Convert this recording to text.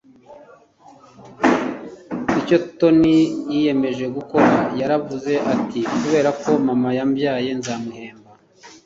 icyo tony yiyemeje gukora yaravuze ati kubera ko mama yambyaye nzamuhemba